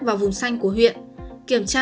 vào vùng xanh của huyện kiểm tra